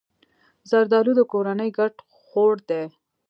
زردالو د کورنۍ ګډ خوړ دی.